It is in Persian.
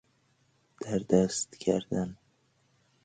دردست کردن